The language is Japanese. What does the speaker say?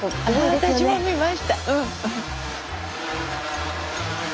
私も見ましたうん。